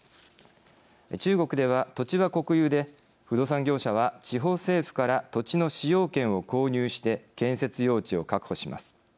中国では土地は国有で不動産業者は地方政府から土地の使用権を購入して建設用地を確保します。